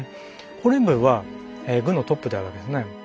ホルエムヘブは軍のトップであるわけですね。